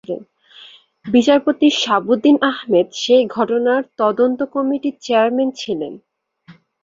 বিচারপতি শাহাবুদ্দিন আহমেদ সেই ঘটনার তদন্ত কমিটির চেয়ারম্যান ছিলেন।